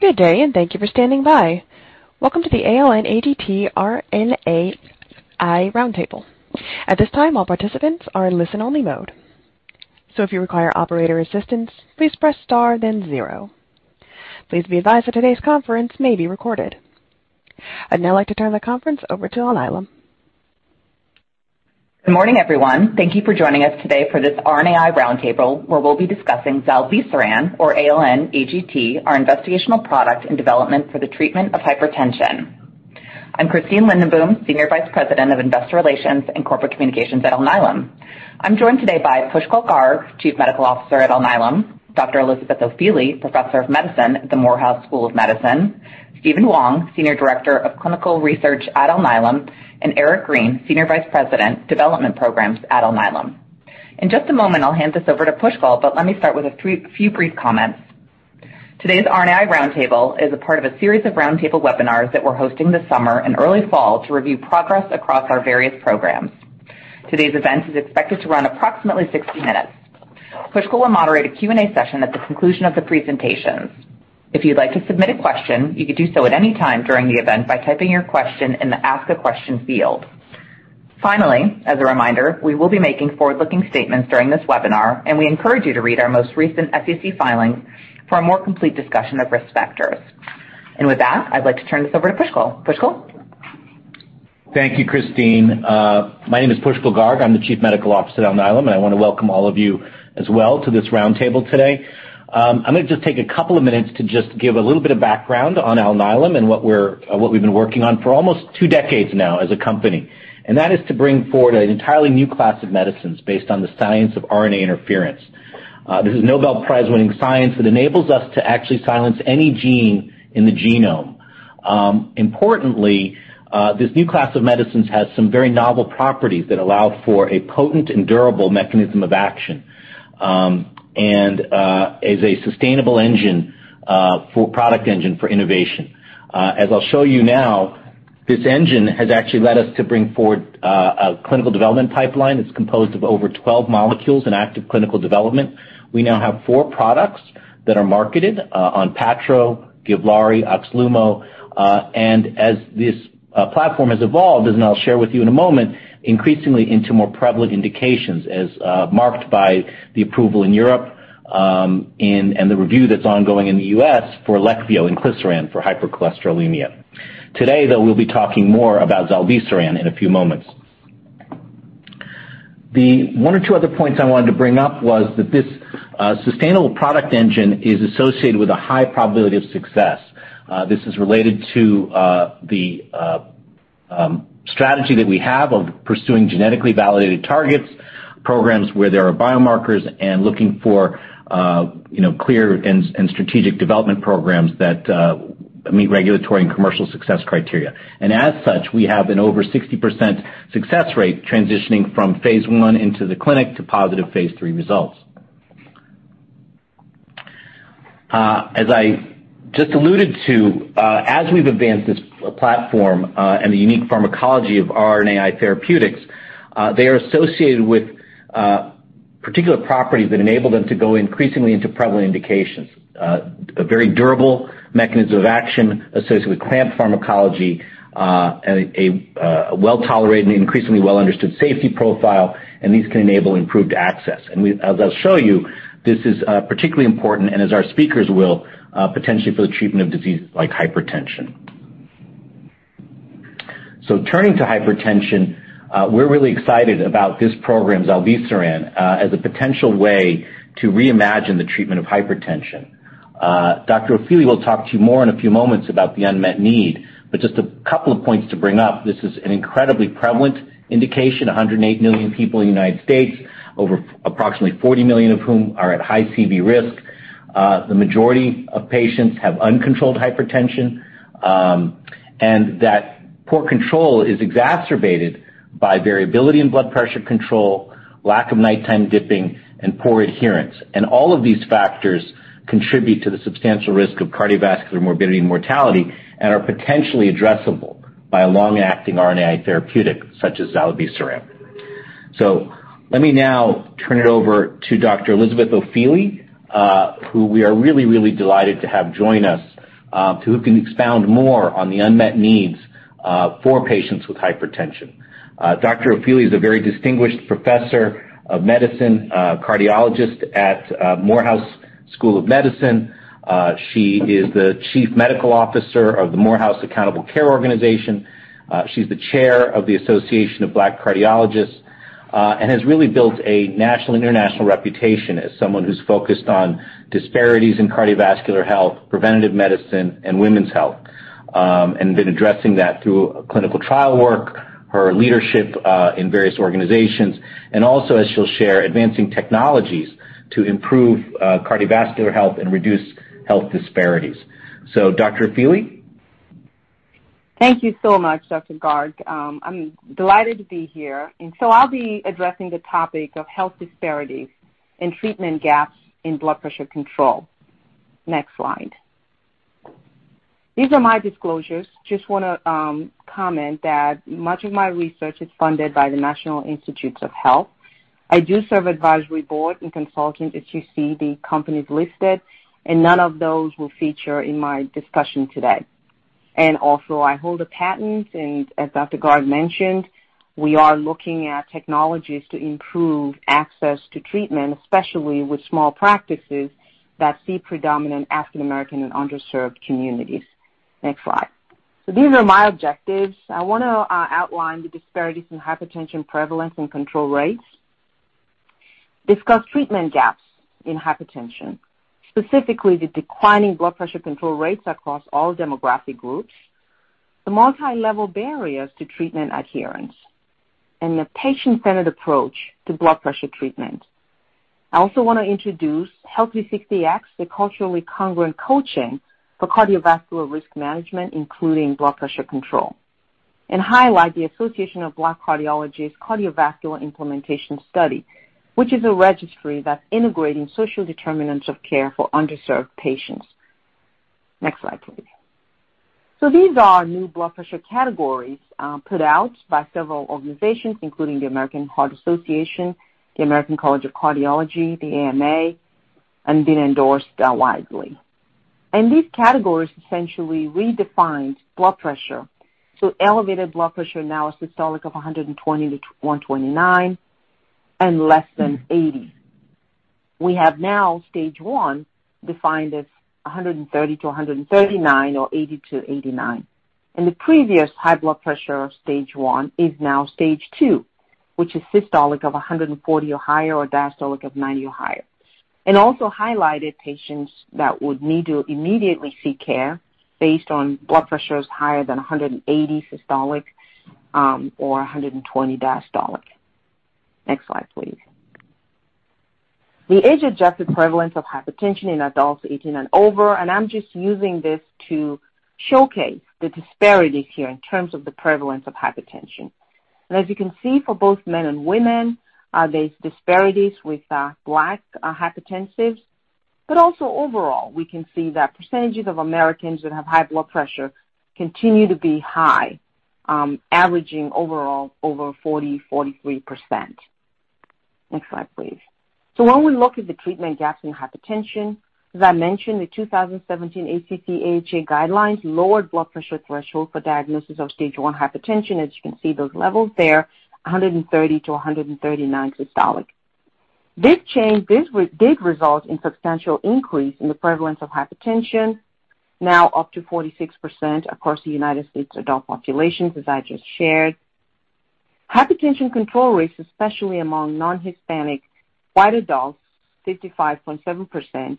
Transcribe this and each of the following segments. Good day, and thank you for standing by. Welcome to the ALN-AGT RNAi roundtable. At this time, all participants are in listen-only mode. So if you require operator assistance, please press star, then zero. Please be advised that today's conference may be recorded. I'd now like to turn the conference over to Alnylam. Good morning, everyone. Thank you for joining us today for this RNAi roundtable where we'll be discussing zilebesiran, or ALN-AGT, our investigational product in development for the treatment of hypertension. I'm Christine Lindenboom, Senior Vice President of Investor Relations and Corporate Communications at Alnylam. I'm joined today by Pushkal Garg, Chief Medical Officer at Alnylam; Dr. Elizabeth Ofili, Professor of Medicine at the Morehouse School of Medicine; Stephen Huang, Senior Director of Clinical Research at Alnylam; and Eric Green, Senior Vice President, Development Programs at Alnylam. In just a moment, I'll hand this over to Pushkal, but let me start with a few brief comments. Today's RNAi roundtable is a part of a series of roundtable webinars that we're hosting this summer and early fall to review progress across our various programs. Today's event is expected to run approximately 60 minutes. Pushkal will moderate a Q&A session at the conclusion of the presentations. If you'd like to submit a question, you can do so at any time during the event by typing your question in the Ask a Question field. Finally, as a reminder, we will be making forward-looking statements during this webinar, and we encourage you to read our most recent SEC filings for a more complete discussion of risk factors. With that, I'd like to turn this over to Pushkal. Pushkal? Thank you, Christine. My name is Pushkal Garg. I'm the Chief Medical Officer at Alnylam, and I want to welcome all of you as well to this roundtable today. I'm going to just take a couple of minutes to just give a little bit of background on Alnylam and what we've been working on for almost two decades now as a company. And that is to bring forward an entirely new class of medicines based on the science of RNA interference. This is Nobel Prize-winning science that enables us to actually silence any gene in the genome. Importantly, this new class of medicines has some very novel properties that allow for a potent and durable mechanism of action and is a sustainable engine for product innovation. As I'll show you now, this engine has actually led us to bring forward a clinical development pipeline that's composed of over 12 molecules in active clinical development. We now have four products that are marketed Onpattro, Givlaari, Oxlumo, and as this platform has evolved, as I'll share with you in a moment, increasingly into more prevalent indications as marked by the approval in Europe and the review that's ongoing in the U.S. for Leqvio and inclisiran for hypercholesterolemia. Today, though, we'll be talking more about zilebesiran in a few moments. The one or two other points I wanted to bring up was that this sustainable product engine is associated with a high probability of success. This is related to the strategy that we have of pursuing genetically validated targets, programs where there are biomarkers, and looking for clear and strategic development programs that meet regulatory and commercial success criteria. And as such, we have an over 60% success rate transitioning from Phase 1 into the clinic to positive Phase 3 results. As I just alluded to, as we've advanced this platform and the unique pharmacology of RNAi therapeutics, they are associated with particular properties that enable them to go increasingly into prevalent indications. A very durable mechanism of action associated with clamped pharmacology and a well-tolerated and increasingly well-understood safety profile, and these can enable improved access. And as I'll show you, this is particularly important, and as our speakers will, potentially for the treatment of diseases like hypertension. So turning to hypertension, we're really excited about this program, zilebesiran, as a potential way to reimagine the treatment of hypertension. Dr. Ofili will talk to you more in a few moments about the unmet need, but just a couple of points to bring up. This is an incredibly prevalent indication: 108 million people in the United States, over approximately 40 million of whom are at high CV risk. The majority of patients have uncontrolled hypertension, and that poor control is exacerbated by variability in blood pressure control, lack of nighttime dipping, and poor adherence. And all of these factors contribute to the substantial risk of cardiovascular morbidity and mortality and are potentially addressable by a long-acting RNAi therapeutic such as zilebesiran. So let me now turn it over to Dr. Elizabeth Ofili, who we are really, really delighted to have join us, who can expound more on the unmet needs for patients with hypertension. Dr. Ofili is a very distinguished professor of medicine, cardiologist at Morehouse School of Medicine. She is the Chief Medical Officer of the Morehouse Accountable Care Organization. She's the chair of the Association of Black Cardiologists and has really built a national and international reputation as someone who's focused on disparities in cardiovascular health, preventative medicine, and women's health, and been addressing that through clinical trial work, her leadership in various organizations, and also, as she'll share, advancing technologies to improve cardiovascular health and reduce health disparities. So Dr. Ofili? Thank you so much, Dr. Garg. I'm delighted to be here, and so I'll be addressing the topic of health disparities and treatment gaps in blood pressure control. Next slide. These are my disclosures. Just want to comment that much of my research is funded by the National Institutes of Health. I do serve advisory board and consultants, as you see the companies listed, and none of those will feature in my discussion today, and also, I hold a patent, and as Dr. Garg mentioned, we are looking at technologies to improve access to treatment, especially with small practices that see predominant African American and underserved communities. Next slide, so these are my objectives. I want to outline the disparities in hypertension prevalence and control rates, discuss treatment gaps in hypertension, specifically the declining blood pressure control rates across all demographic groups, the multilevel barriers to treatment adherence, and the patient-centered approach to blood pressure treatment. I also want to introduce Health360x, the culturally congruent coaching for cardiovascular risk management, including blood pressure control, and highlight the Association of Black Cardiologists' Cardiovascular Implementation Study, which is a registry that's integrating social determinants of care for underserved patients. Next slide, please. So these are new blood pressure categories put out by several organizations, including the American Heart Association, the American College of Cardiology, the AMA, and been endorsed widely. And these categories essentially redefined blood pressure. So elevated blood pressure now is systolic of 120-129 and less than 80. We have now stage one defined as 130-139 or 80-89, and the previous high blood pressure stage one is now stage two, which is systolic of 140 or higher or diastolic of 90 or higher, and also highlighted patients that would need to immediately seek care based on blood pressures higher than 180 systolic or 120 diastolic. Next slide, please. The age-adjusted prevalence of hypertension in adults 18 and over, and I'm just using this to showcase the disparities here in terms of the prevalence of hypertension. And as you can see, for both men and women, there's disparities with Black hypertensives, but also overall, we can see that percentages of Americans that have high blood pressure continue to be high, averaging overall over 40%-43%. Next slide, please. So when we look at the treatment gaps in hypertension, as I mentioned, the 2017 ACC/AHA guidelines lowered blood pressure thresholds for diagnosis of stage one hypertension. As you can see those levels there, 130-139 systolic. This change did result in a substantial increase in the prevalence of hypertension, now up to 46% across the United States adult populations, as I just shared. Hypertension control rates, especially among non-Hispanic white adults, 55.7%,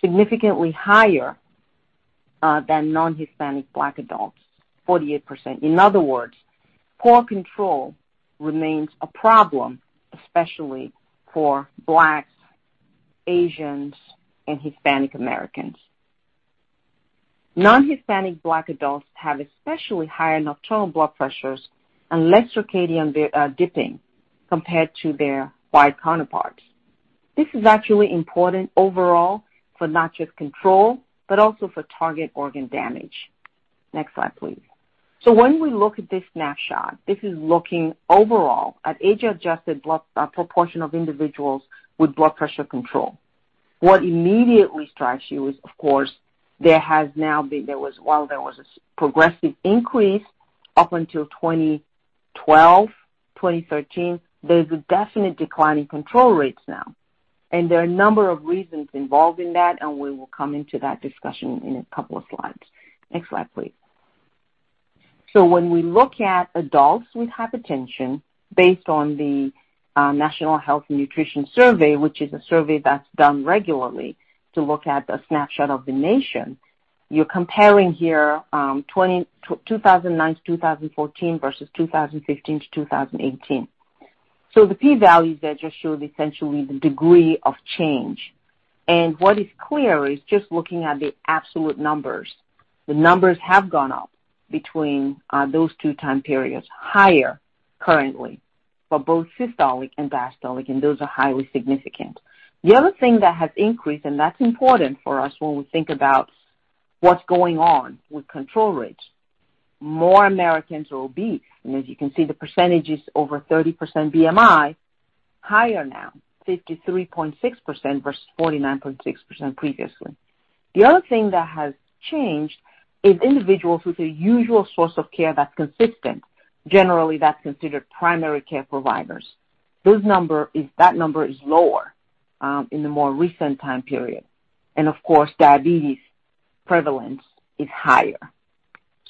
significantly higher than non-Hispanic Black adults, 48%. In other words, poor control remains a problem, especially for Blacks, Asians, and Hispanic Americans. Non-Hispanic Black adults have especially higher nocturnal blood pressures and less circadian dipping compared to their white counterparts. This is actually important overall for not just control, but also for target organ damage. Next slide, please. So when we look at this snapshot, this is looking overall at age-adjusted proportion of individuals with blood pressure control. What immediately strikes you is, of course, there has now been, while there was a progressive increase up until 2012, 2013, there's a definite decline in control rates now. And there are a number of reasons involved in that, and we will come into that discussion in a couple of slides. Next slide, please. So when we look at adults with hypertension, based on the National Health and Nutrition Examination Survey, which is a survey that's done regularly to look at a snapshot of the nation, you're comparing here 2009-2014 versus 2015-2018. So the p-values there just showed essentially the degree of change. What is clear is just looking at the absolute numbers, the numbers have gone up between those two time periods, higher currently for both systolic and diastolic, and those are highly significant. The other thing that has increased, and that's important for us when we think about what's going on with control rates, more Americans are obese. As you can see, the percentage is over 30% BMI, higher now, 53.6% versus 49.6% previously. The other thing that has changed is individuals with a usual source of care that's consistent, generally that's considered primary care providers. That number is lower in the more recent time period. Of course, diabetes prevalence is higher.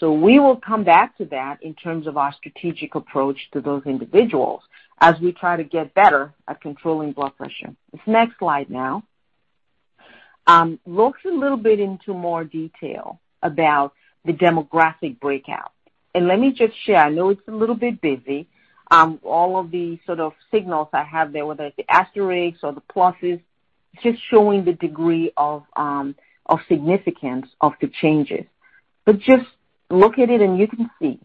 We will come back to that in terms of our strategic approach to those individuals as we try to get better at controlling blood pressure. This next slide now looks a little bit into more detail about the demographic breakdown, and let me just share, I know it's a little bit busy. All of the sort of signals I have there, whether it's the asterisks or the pluses, just showing the degree of significance of the changes, but just look at it, and you can see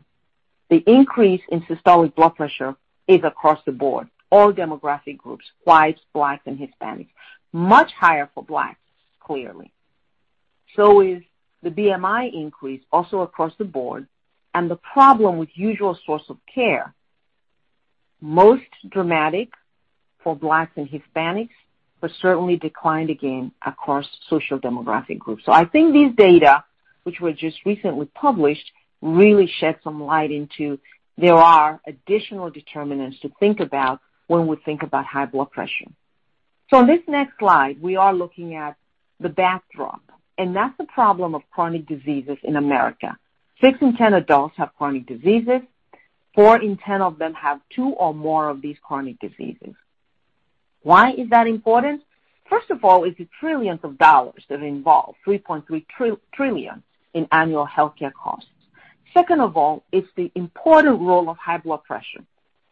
the increase in systolic blood pressure is across the board, all demographic groups, whites, Blacks, and Hispanics. Much higher for Blacks, clearly. So is the BMI increase also across the board, and the problem with usual source of care, most dramatic for Blacks and Hispanics, but certainly declined again across socio-demographic groups. So I think these data, which were just recently published, really shed some light on the fact that there are additional determinants to think about when we think about high blood pressure. On this next slide, we are looking at the backdrop, and that's the problem of chronic diseases in America. Six in 10 adults have chronic diseases. Four in 10 of them have two or more of these chronic diseases. Why is that important? First of all, it's the trillions of dollars that are involved, $3.3 trillion in annual healthcare costs. Second of all, it's the important role of high blood pressure.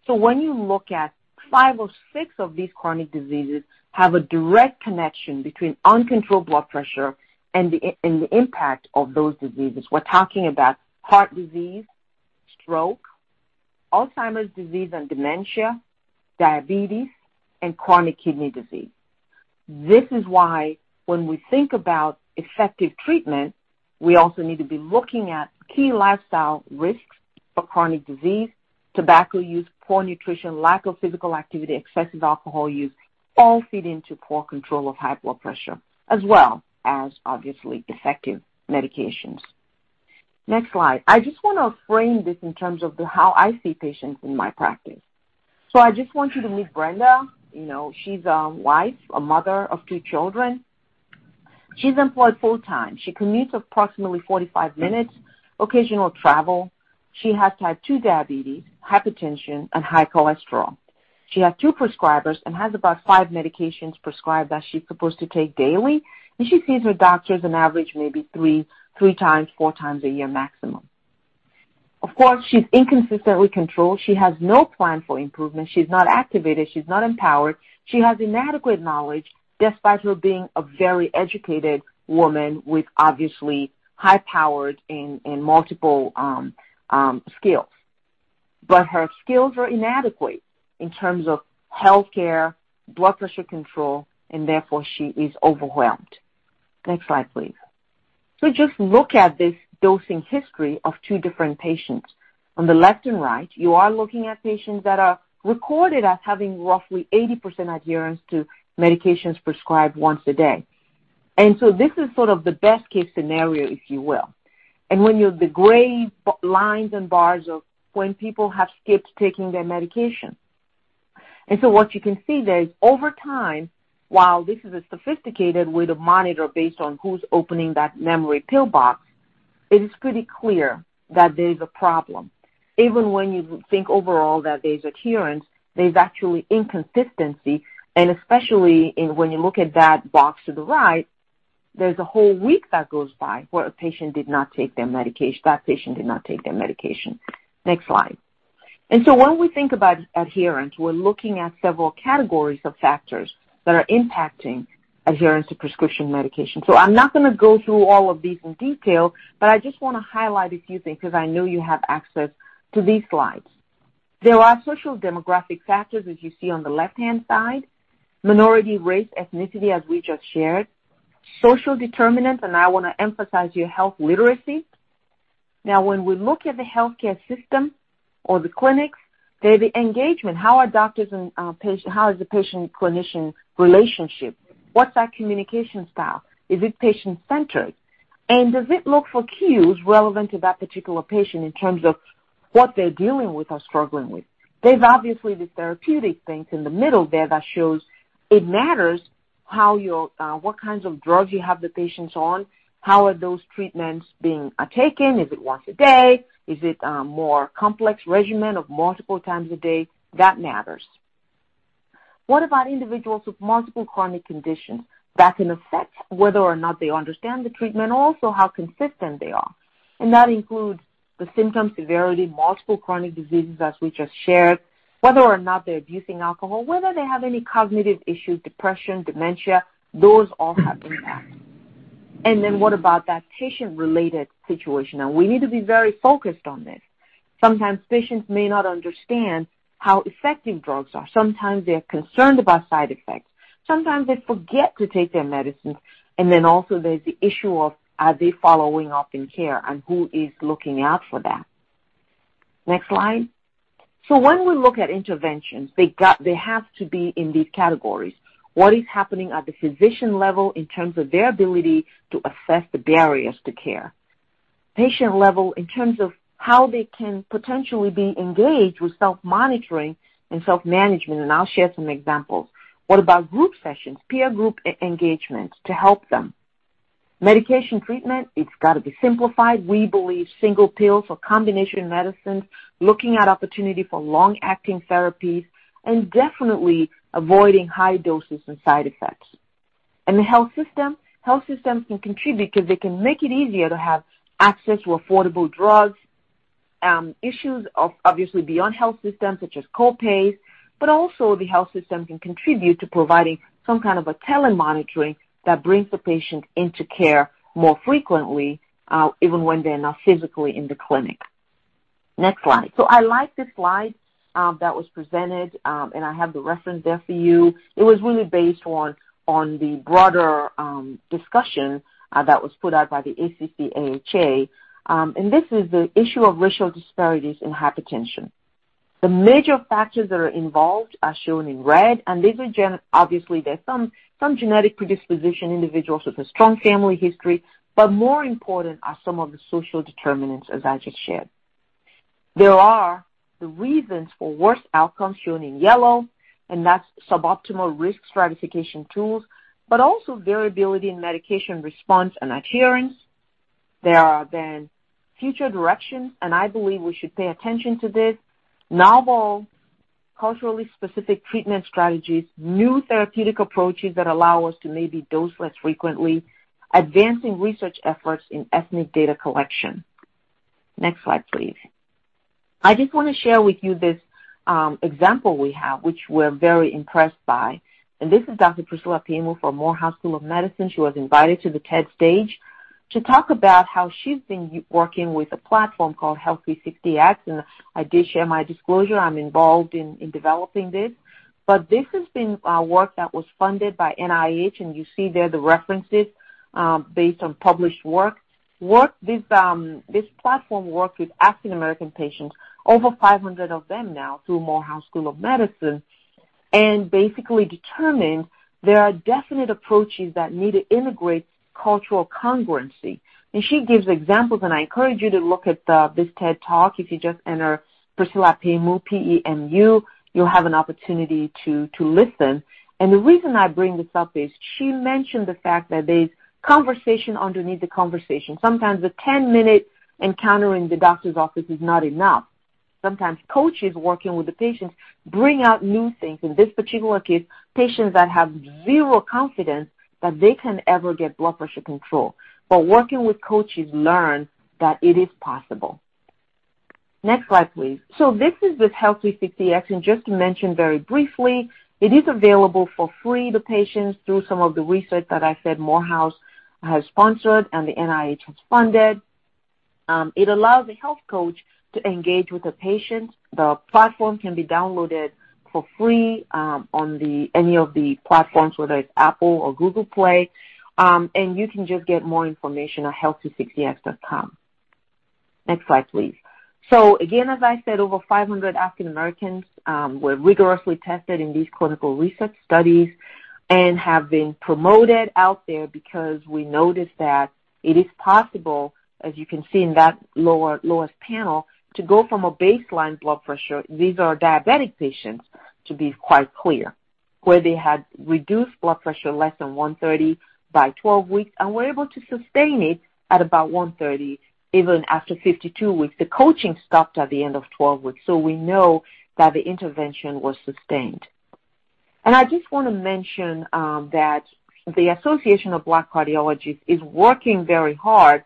So when you look at five or six of these chronic diseases, have a direct connection between uncontrolled blood pressure and the impact of those diseases. We're talking about heart disease, stroke, Alzheimer's disease and dementia, diabetes, and chronic kidney disease. This is why when we think about effective treatment, we also need to be looking at key lifestyle risks for chronic disease: tobacco use, poor nutrition, lack of physical activity, excessive alcohol use, all feed into poor control of high blood pressure, as well as obviously effective medications. Next slide. I just want to frame this in terms of how I see patients in my practice. So I just want you to meet Brenda. She's a wife, a mother of two children. She's employed full-time. She commutes approximately 45 minutes, occasional travel. She has type 2 diabetes, hypertension, and high cholesterol. She has two prescribers and has about five medications prescribed that she's supposed to take daily. And she sees her doctors on average maybe three times, four times a year maximum. Of course, she's inconsistently controlled. She has no plan for improvement. She's not activated. She's not empowered. She has inadequate knowledge despite her being a very educated woman with obviously high power and multiple skills, but her skills are inadequate in terms of healthcare, blood pressure control, and therefore she is overwhelmed. Next slide, please, so just look at this dosing history of two different patients. On the left and right, you are looking at patients that are recorded as having roughly 80% adherence to medications prescribed once a day, and so this is sort of the best-case scenario, if you will, and when you have the gray lines and bars of when people have skipped taking their medication, and so what you can see there is over time, while this is a sophisticated way to monitor based on who's opening that memory pill box, it is pretty clear that there's a problem. Even when you think overall that there's adherence, there's actually inconsistency. And especially when you look at that box to the right, there's a whole week that goes by where a patient did not take their medication, that patient did not take their medication. Next slide. And so when we think about adherence, we're looking at several categories of factors that are impacting adherence to prescription medication. So I'm not going to go through all of these in detail, but I just want to highlight a few things because I know you have access to these slides. There are social demographic factors, as you see on the left-hand side, minority race, ethnicity, as we just shared, social determinants, and I want to emphasize poor health literacy. Now, when we look at the healthcare system or the clinics, there's the engagement. How are doctors and how is the patient-clinician relationship? What's that communication style? Is it patient-centered? And does it look for cues relevant to that particular patient in terms of what they're dealing with or struggling with? There's obviously the therapeutic things in the middle there that show it matters what kinds of drugs you have the patients on, how are those treatments being taken, is it once a day, is it a more complex regimen of multiple times a day, that matters. What about individuals with multiple chronic conditions? That can affect whether or not they understand the treatment, also how consistent they are. And that includes the symptoms, severity, multiple chronic diseases, as we just shared, whether or not they're abusing alcohol, whether they have any cognitive issues, depression, dementia, those all have impact. And then what about that patient-related situation? And we need to be very focused on this. Sometimes patients may not understand how effective drugs are. Sometimes they're concerned about side effects. Sometimes they forget to take their medicines. And then also there's the issue of, are they following up in care and who is looking out for that? Next slide. So when we look at interventions, they have to be in these categories. What is happening at the physician level in terms of their ability to assess the barriers to care? Patient level in terms of how they can potentially be engaged with self-monitoring and self-management, and I'll share some examples. What about group sessions, peer group engagement to help them? Medication treatment, it's got to be simplified. We believe single pills or combination medicines, looking at opportunity for long-acting therapies, and definitely avoiding high doses and side effects. And the health system? Health systems can contribute because they can make it easier to have access to affordable drugs. Issues obviously beyond health systems such as copays, but also the health system can contribute to providing some kind of a tele-monitoring that brings the patient into care more frequently, even when they're not physically in the clinic. Next slide. So I like this slide that was presented, and I have the reference there for you. It was really based on the broader discussion that was put out by the ACC/AHA. And this is the issue of racial disparities in hypertension. The major factors that are involved are shown in red, and these are obviously there's some genetic predisposition, individuals with a strong family history, but more important are some of the social determinants, as I just shared. There are the reasons for worst outcomes shown in yellow, and that's suboptimal risk stratification tools, but also variability in medication response and adherence. There are then future directions, and I believe we should pay attention to this: novel culturally specific treatment strategies, new therapeutic approaches that allow us to maybe dose less frequently, advancing research efforts in ethnic data collection. Next slide, please. I just want to share with you this example we have, which we're very impressed by. And this is Dr. Priscilla Pemu from Morehouse School of Medicine. She was invited to the TED stage to talk about how she's been working with a platform called Health360x. And I did share my disclosure. I'm involved in developing this. But this has been work that was funded by NIH, and you see there the references based on published work. This platform worked with African American patients, over 500 of them now through Morehouse School of Medicine, and basically determined there are definite approaches that need to integrate cultural congruency. She gives examples, and I encourage you to look at this TED Talk. If you just enter Pushkal Pemu, P-E-M-U, you'll have an opportunity to listen. And the reason I bring this up is she mentioned the fact that there's conversation underneath the conversation. Sometimes a 10-minute encounter in the doctor's office is not enough. Sometimes coaches working with the patients bring out new things. In this particular case, patients that have zero confidence that they can ever get blood pressure control. But working with coaches learned that it is possible. Next slide, please. So this is with Health360x, and just to mention very briefly, it is available for free to patients through some of the research that I said Morehouse has sponsored and the NIH has funded. It allows a health coach to engage with a patient. The platform can be downloaded for free on any of the platforms, whether it's Apple or Google Play. And you can just get more information at health360x.com. Next slide, please. So again, as I said, over 500 African Americans were rigorously tested in these clinical research studies and have been promoted out there because we noticed that it is possible, as you can see in that lowest panel, to go from a baseline blood pressure, these are diabetic patients, to be quite clear, where they had reduced blood pressure less than 130 by 12 weeks, and were able to sustain it at about 130 even after 52 weeks. The coaching stopped at the end of 12 weeks, so we know that the intervention was sustained. I just want to mention that the Association of Black Cardiologists is working very hard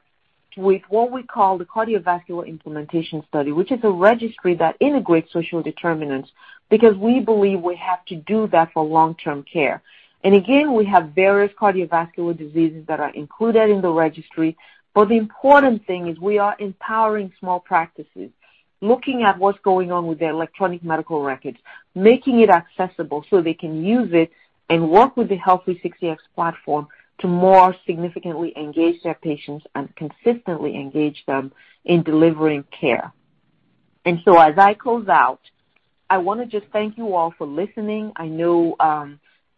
with what we call the Cardiovascular Implementation Study, which is a registry that integrates social determinants because we believe we have to do that for long-term care. Again, we have various cardiovascular diseases that are included in the registry, but the important thing is we are empowering small practices, looking at what's going on with their electronic medical records, making it accessible so they can use it and work with the Health360x platform to more significantly engage their patients and consistently engage them in delivering care. So as I close out, I want to just thank you all for listening. I know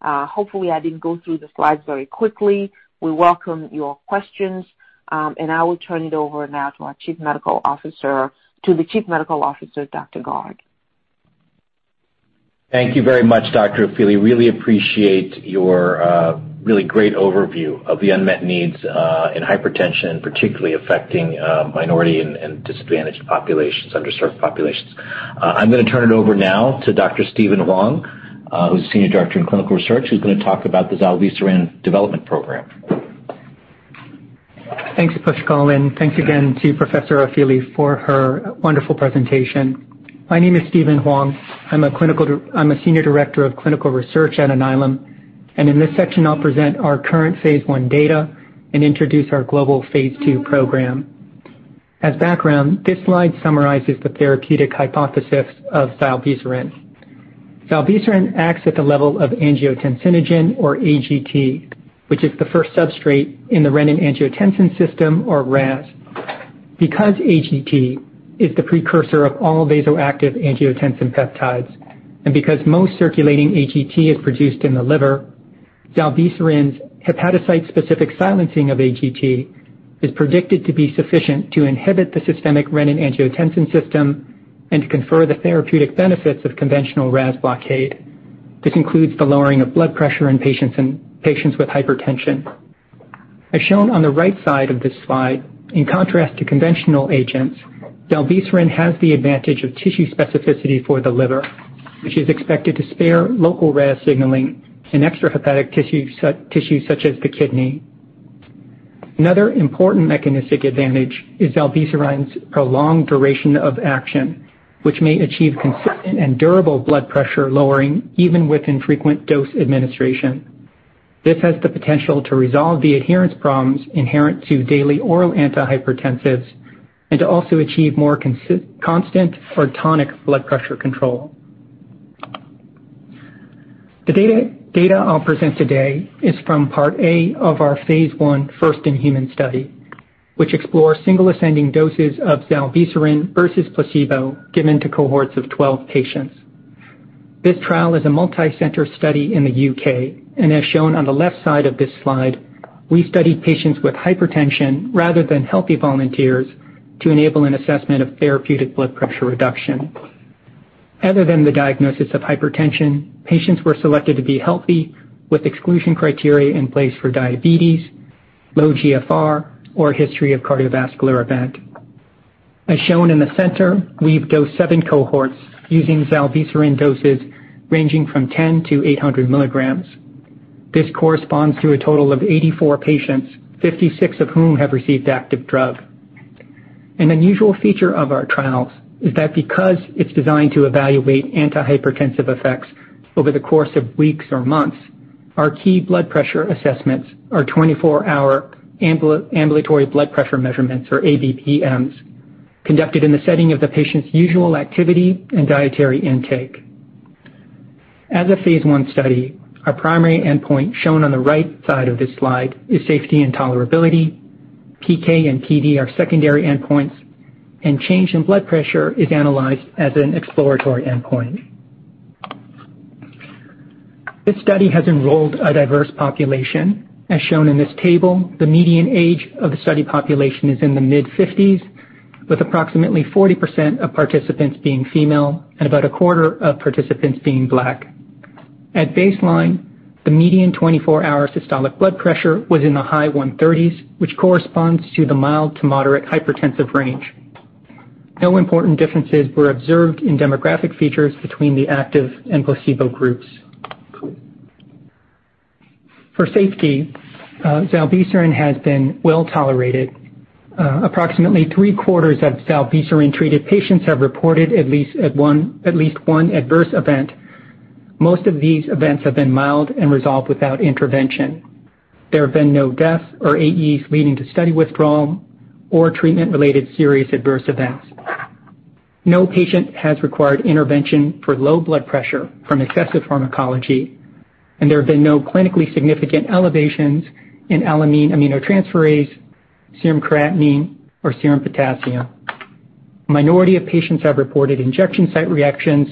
hopefully I didn't go through the slides very quickly. We welcome your questions, and I will turn it over now to our Chief Medical Officer, Dr. Garg. Thank you very much, Dr. Ofili. Really appreciate your really great overview of the unmet needs in hypertension, particularly affecting minority and disadvantaged populations, underserved populations. I'm going to turn it over now to Dr. Stephen Huang, who's Senior Director in Clinical Research, who's going to talk about the zilebesiran Development Program. Thanks, Pushkal. And thanks again to Professor Ofili for her wonderful presentation. My name is Stephen Huang. I'm a Senior Director of Clinical Research at Alnylam. In this section, I'll present our current phase I data and introduce our Global Phase 2 program. As background, this slide summarizes the therapeutic hypothesis of zilebesiran. zilebesiran acts at the level of angiotensinogen or AGT, which is the first substrate in the renin-angiotensin system or RAS. Because AGT is the precursor of all vasoactive angiotensin peptides, and because most circulating AGT is produced in the liver, zilebesiran's hepatocyte-specific silencing of AGT is predicted to be sufficient to inhibit the systemic renin-angiotensin system and to confer the therapeutic benefits of conventional RAS blockade. This includes the lowering of blood pressure in patients with hypertension. As shown on the right side of this slide, in contrast to conventional agents, zilebesiran has the advantage of tissue specificity for the liver, which is expected to spare local RAS signaling and extrahepatic tissue such as the kidney. Another important mechanistic advantage is zilebesiran's prolonged duration of action, which may achieve consistent and durable blood pressure lowering even with infrequent dose administration. This has the potential to resolve the adherence problems inherent to daily oral antihypertensives and to also achieve more constant or tonic blood pressure control. The data I'll present today is from Part A of our phase 1 first-in-human study, which explores single-ascending doses of zilebesiran versus placebo given to cohorts of 12 patients. This trial is a multicenter study in the U.K., and as shown on the left side of this slide, we studied patients with hypertension rather than healthy volunteers to enable an assessment of therapeutic blood pressure reduction. Other than the diagnosis of hypertension, patients were selected to be healthy with exclusion criteria in place for diabetes, low GFR, or history of cardiovascular event. As shown in the center, we've dosed seven cohorts using zilebesiran doses ranging from 10 to 800 milligrams. This corresponds to a total of 84 patients, 56 of whom have received active drug. An unusual feature of our trials is that because it's designed to evaluate antihypertensive effects over the course of weeks or months, our key blood pressure assessments are 24-hour ambulatory blood pressure measurements, or ABPMs, conducted in the setting of the patient's usual activity and dietary intake. As a phase I study, our primary endpoint shown on the right side of this slide is safety and tolerability. PK and PD are secondary endpoints, and change in blood pressure is analyzed as an exploratory endpoint. This study has enrolled a diverse population. As shown in this table, the median age of the study population is in the mid-50s, with approximately 40% of participants being female and about a quarter of participants being Black. At baseline, the median 24-hour systolic blood pressure was in the high 130s, which corresponds to the mild to moderate hypertensive range. No important differences were observed in demographic features between the active and placebo groups. For safety, zilebesiran has been well tolerated. Approximately three-quarters of zilebesiran-treated patients have reported at least one adverse event. Most of these events have been mild and resolved without intervention. There have been no deaths or AEs leading to study withdrawal or treatment-related serious adverse events. No patient has required intervention for low blood pressure from excessive pharmacology, and there have been no clinically significant elevations in alanine aminotransferase, serum creatinine, or serum potassium. A minority of patients have reported injection site reactions.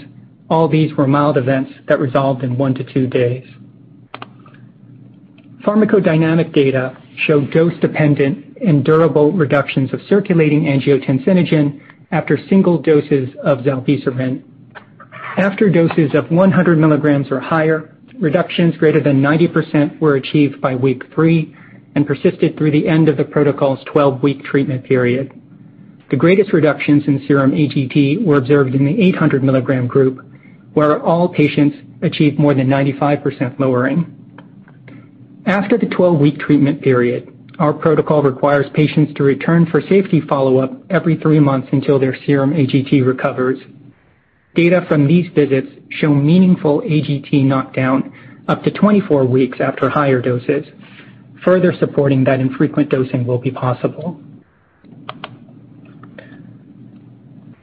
All these were mild events that resolved in one to two days. Pharmacodynamic data showed dose-dependent and durable reductions of circulating angiotensinogen after single doses of zilebesiran. After doses of 100 milligrams or higher, reductions greater than 90% were achieved by week three and persisted through the end of the protocol's 12-week treatment period. The greatest reductions in serum AGT were observed in the 800 milligram group, where all patients achieved more than 95% lowering. After the 12-week treatment period, our protocol requires patients to return for safety follow-up every three months until their serum AGT recovers. Data from these visits show meaningful AGT knockdown up to 24 weeks after higher doses, further supporting that infrequent dosing will be possible.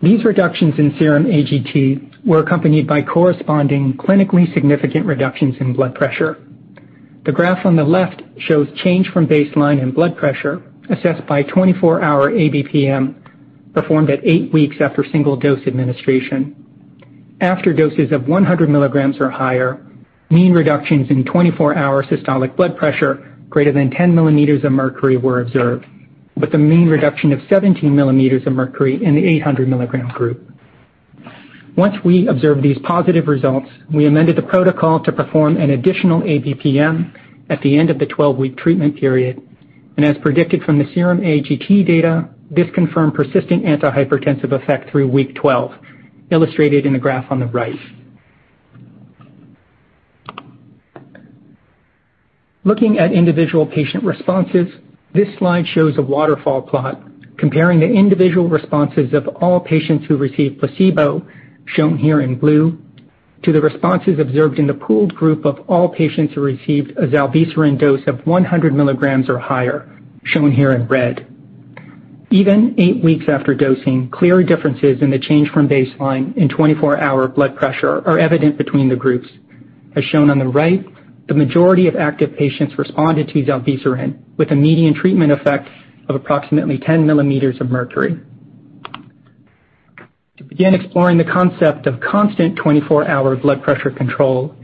These reductions in serum AGT were accompanied by corresponding clinically significant reductions in blood pressure. The graph on the left shows change from baseline in blood pressure assessed by 24-hour ABPM performed at eight weeks after single dose administration. After doses of 100 milligrams or higher, mean reductions in 24-hour systolic blood pressure greater than 10 millimeters of mercury were observed, with a mean reduction of 17 millimeters of mercury in the 800 milligram group. Once we observed these positive results, we amended the protocol to perform an additional ABPM at the end of the 12-week treatment period, and as predicted from the serum AGT data, this confirmed persistent antihypertensive effect through week 12, illustrated in the graph on the right. Looking at individual patient responses, this slide shows a waterfall plot comparing the individual responses of all patients who received placebo, shown here in blue, to the responses observed in the pooled group of all patients who received a zilebesiran dose of 100 milligrams or higher, shown here in red. Even eight weeks after dosing, clear differences in the change from baseline in 24-hour blood pressure are evident between the groups. As shown on the right, the majority of active patients responded to zilebesiran with a median treatment effect of approximately 10 millimeters of mercury. To begin exploring the concept of constant 24-hour blood pressure control,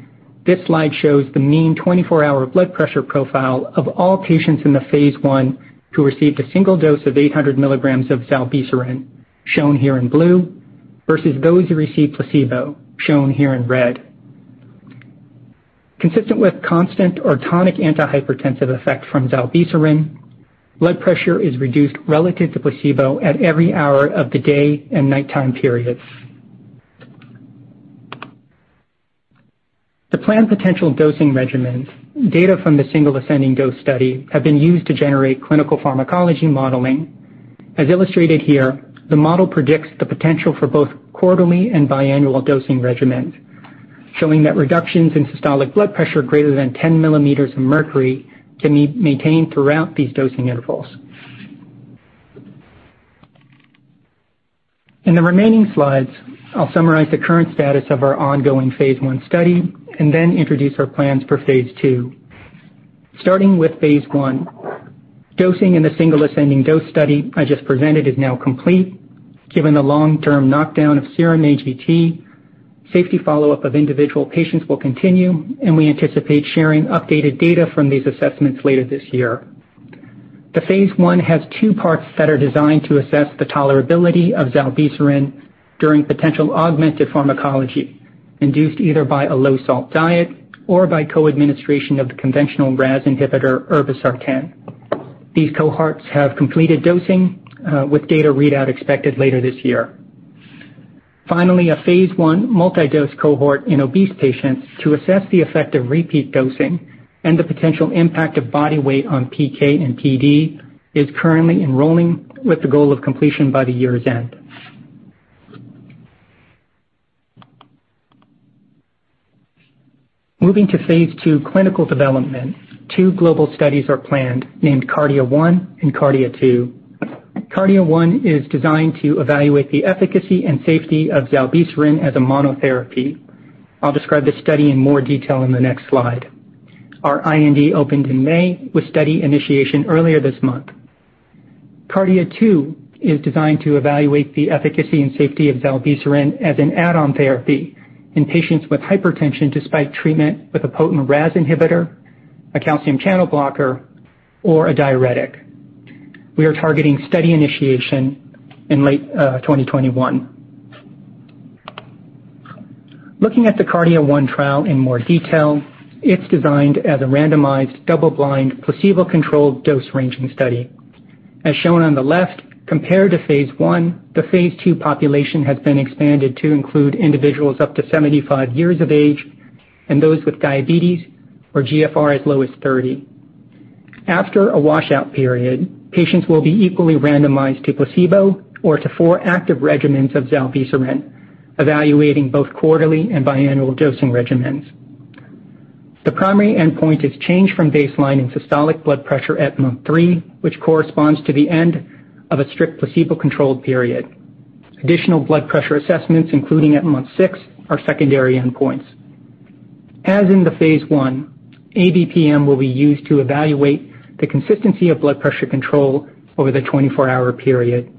this slide shows the mean 24-hour blood pressure profile of all patients in the phase I who received a single dose of 800 milligrams of zilebesiran, shown here in blue, versus those who received placebo, shown here in red. Consistent with constant or tonic antihypertensive effect from zilebesiran, blood pressure is reduced relative to placebo at every hour of the day and nighttime periods. The planned potential dosing regimens, data from the single-ascending dose study, have been used to generate clinical pharmacology modeling. As illustrated here, the model predicts the potential for both quarterly and biannual dosing regimens, showing that reductions in systolic blood pressure greater than 10 millimeters of mercury can be maintained throughout these dosing intervals. In the remaining slides, I'll summarize the current status of our ongoing phase I study and then introduce our plans for Phase 2. Starting with phase I, dosing in the single-ascending dose study I just presented is now complete. Given the long-term knockdown of serum AGT, safety follow-up of individual patients will continue, and we anticipate sharing updated data from these assessments later this year. The phase I has two parts that are designed to assess the tolerability of zilebesiran during potential augmented pharmacology induced either by a low-salt diet or by co-administration of the conventional RAS inhibitor, irbesartan. These cohorts have completed dosing with data readout expected later this year. Finally, a phase I multi-dose cohort in obese patients to assess the effect of repeat dosing and the potential impact of body weight on PK and PD is currently enrolling with the goal of completion by the year's end. Moving to Phase 2 clinical development, two global studies are planned named KARDIA-1 and KARDIA-2. KARDIA-1 is designed to evaluate the efficacy and safety of zilebesiran as a monotherapy. I'll describe this study in more detail in the next slide. Our IND opened in May with study initiation earlier this month. KARDIA-2 is designed to evaluate the efficacy and safety of zilebesiran as an add-on therapy in patients with hypertension despite treatment with a potent RAS inhibitor, a calcium channel blocker, or a diuretic. We are targeting study initiation in late 2021. Looking at the KARDIA-1 trial in more detail, it's designed as a randomized double-blind placebo-controlled dose-ranging study. As shown on the left, compared to phase I, the Phase 2 population has been expanded to include individuals up to 75 years of age and those with diabetes or GFR as low as 30. After a washout period, patients will be equally randomized to placebo or to four active regimens of zilebesiran, evaluating both quarterly and biannual dosing regimens. The primary endpoint is change from baseline in systolic blood pressure at month three, which corresponds to the end of a strict placebo-controlled period. Additional blood pressure assessments, including at month six, are secondary endpoints. As in the phase I, ABPM will be used to evaluate the consistency of blood pressure control over the 24-hour period.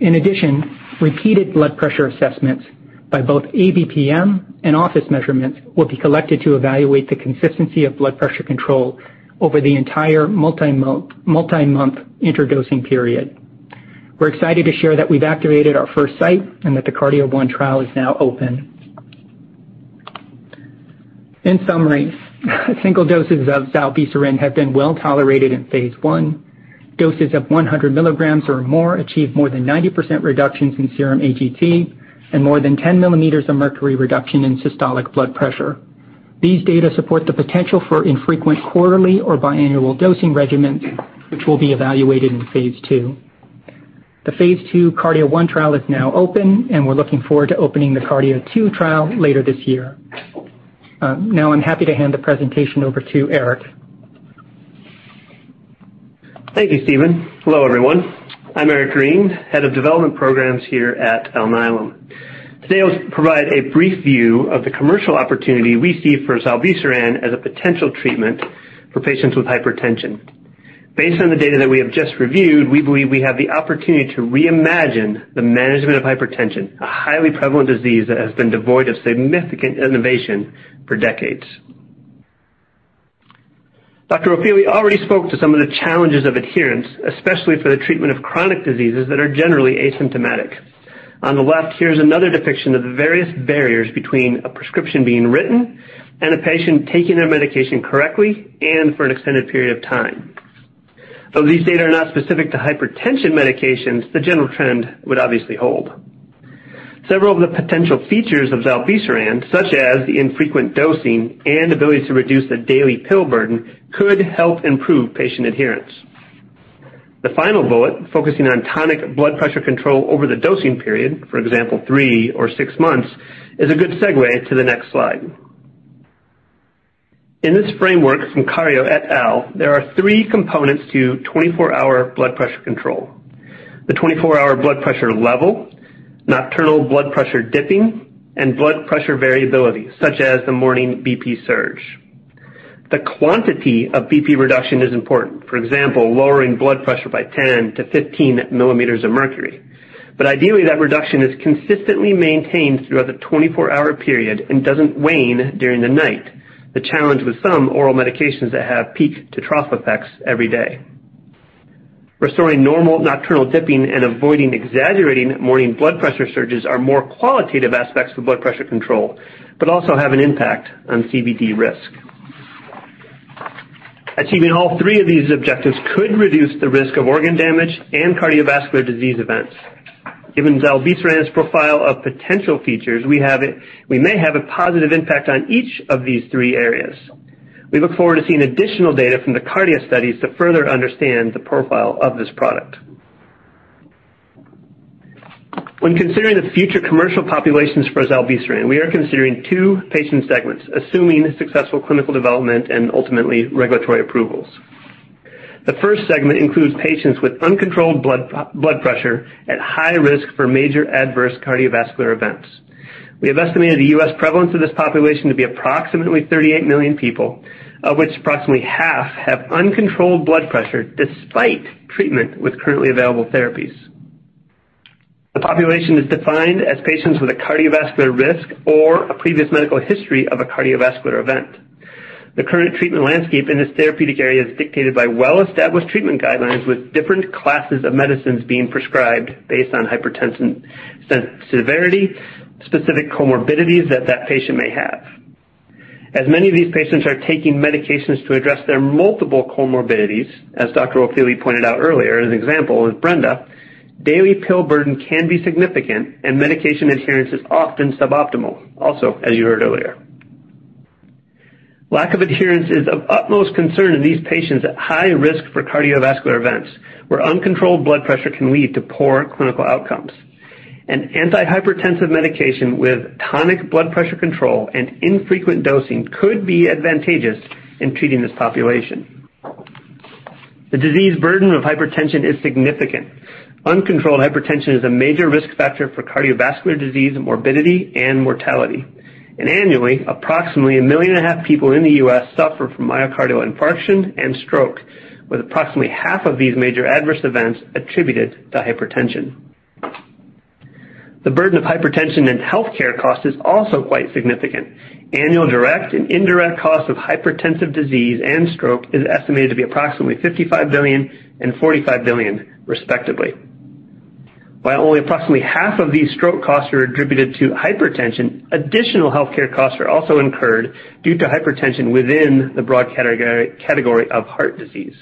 In addition, repeated blood pressure assessments by both ABPM and office measurements will be collected to evaluate the consistency of blood pressure control over the entire multi-month interdosing period. We're excited to share that we've activated our first site and that the KARDIA-1 trial is now open. In summary, single doses of zilebesiran have been well tolerated in phase I. Doses of 100 milligrams or more achieve more than 90% reductions in serum AGT and more than 10 millimeters of mercury reduction in systolic blood pressure. These data support the potential for infrequent quarterly or biannual dosing regimens, which will be evaluated in Phase 2. The Phase 2 KARDIA-1 trial is now open, and we're looking forward to opening the KARDIA-2 trial later this year. Now, I'm happy to hand the presentation over to Eric. Thank you, Stephen. Hello, everyone. I'm Eric Green, head of development programs here at Alnylam. Today, I'll provide a brief view of the commercial opportunity we see for zilebesiran as a potential treatment for patients with hypertension. Based on the data that we have just reviewed, we believe we have the opportunity to reimagine the management of hypertension, a highly prevalent disease that has been devoid of significant innovation for decades. Dr. Ofili already spoke to some of the challenges of adherence, especially for the treatment of chronic diseases that are generally asymptomatic. On the left, here's another depiction of the various barriers between a prescription being written and a patient taking their medication correctly and for an extended period of time. Though these data are not specific to hypertension medications, the general trend would obviously hold. Several of the potential features of zilebesiran, such as the infrequent dosing and ability to reduce the daily pill burden, could help improve patient adherence. The final bullet, focusing on tonic blood pressure control over the dosing period, for example, three or six months, is a good segue to the next slide. In this framework from Kario et al., there are three components to 24-hour blood pressure control: the 24-hour blood pressure level, nocturnal blood pressure dipping, and blood pressure variability, such as the morning BP surge. The quantity of BP reduction is important, for example, lowering blood pressure by 10-15 millimeters of mercury. But ideally, that reduction is consistently maintained throughout the 24-hour period and doesn't wane during the night, the challenge with some oral medications that have peak to trough effects every day. Restoring normal nocturnal dipping and avoiding exaggerating morning blood pressure surges are more qualitative aspects of blood pressure control but also have an impact on CVD risk. Achieving all three of these objectives could reduce the risk of organ damage and cardiovascular disease events. Given zilebesiran's profile of potential features, we may have a positive impact on each of these three areas. We look forward to seeing additional data from the KARDIA studies to further understand the profile of this product. When considering the future commercial populations for zilebesiran, we are considering two patient segments, assuming successful clinical development and ultimately regulatory approvals. The first segment includes patients with uncontrolled blood pressure at high risk for major adverse cardiovascular events. We have estimated the U.S. prevalence of this population to be approximately 38 million people, of which approximately half have uncontrolled blood pressure despite treatment with currently available therapies. The population is defined as patients with a cardiovascular risk or a previous medical history of a cardiovascular event. The current treatment landscape in this therapeutic area is dictated by well-established treatment guidelines, with different classes of medicines being prescribed based on hypertension severity, specific comorbidities that patient may have. As many of these patients are taking medications to address their multiple comorbidities, as Dr. Ofili pointed out earlier as an example with Brenda, daily pill burden can be significant, and medication adherence is often suboptimal, also, as you heard earlier. Lack of adherence is of utmost concern in these patients at high risk for cardiovascular events, where uncontrolled blood pressure can lead to poor clinical outcomes. An antihypertensive medication with tonic blood pressure control and infrequent dosing could be advantageous in treating this population. The disease burden of hypertension is significant. Uncontrolled hypertension is a major risk factor for cardiovascular disease, morbidity, and mortality. Annually, approximately a million and a half people in the U.S. suffer from myocardial infarction and stroke, with approximately half of these major adverse events attributed to hypertension. The burden of hypertension and healthcare cost is also quite significant. Annual direct and indirect costs of hypertensive disease and stroke are estimated to be approximately $55 billion and $45 billion, respectively. While only approximately half of these stroke costs are attributed to hypertension, additional healthcare costs are also incurred due to hypertension within the broad category of heart disease.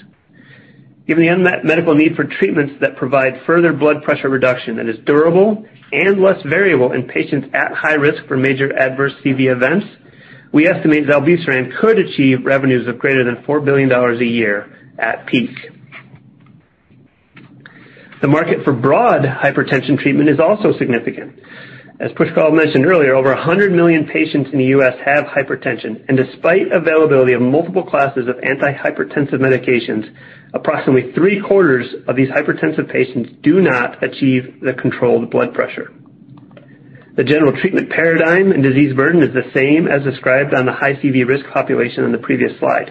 Given the unmet medical need for treatments that provide further blood pressure reduction that is durable and less variable in patients at high risk for major adverse CV events, we estimate zilebesiran could achieve revenues of greater than $4 billion a year at peak. The market for broad hypertension treatment is also significant. As Pushkal mentioned earlier, over 100 million patients in the U.S. have hypertension. Despite availability of multiple classes of antihypertensive medications, approximately three-quarters of these hypertensive patients do not achieve the controlled blood pressure. The general treatment paradigm and disease burden are the same as described on the high CV risk population on the previous slide.